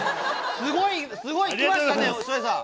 すごいいきましたね、照英さん。